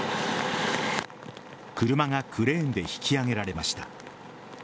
車が、クレーンで引き揚げられました。